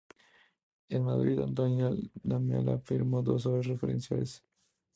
En Madrid, Antonio Lamela firmó dos obras referenciales.